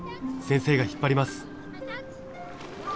先生が引っ張ります。